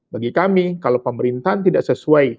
bagi kami kalau pemerintahan tidak sesuai